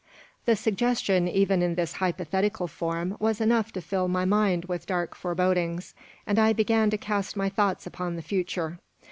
The suggestion, even in this hypothetical form, was enough to fill my mind with dark forebodings, and I began to cast my thoughts upon the future.